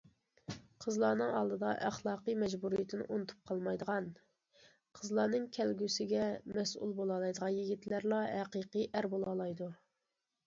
قىزلارنىڭ ئالدىدا ئەخلاقىي مەجبۇرىيىتىنى ئۇنتۇلۇپ قالمايدىغان، قىزلارنىڭ كەلگۈسىگە مەسئۇل بولالايدىغان يىگىتلەرلا ھەقىقىي ئەر بولالايدۇ.